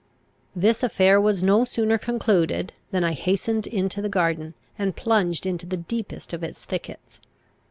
This affair was no sooner concluded, than I hastened into the garden, and plunged into the deepest of its thickets.